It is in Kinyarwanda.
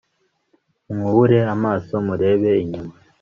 mwubure amaso murebe inyuma